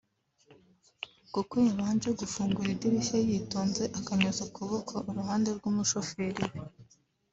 kuko yabanje gufungura idirishya yitonze akanyuza ukuboko uruhande rw’umushoferi we